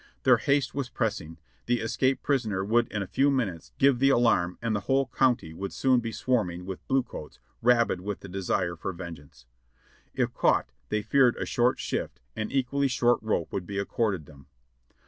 Their haste was pressing; the escaped prisoner would in a few minutes give the alarm and the whole county would soon be swarming with blue coats rabid with the desire for vengeance. If caught they feared a short shift and equally short rope would be accorded them.